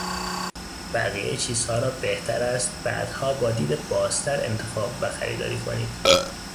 بقیه چیزها را بهتر است بعدها با دید بازتر انتخاب و خریداری کنید.